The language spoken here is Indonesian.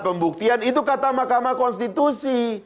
pembuktian itu kata mahkamah konstitusi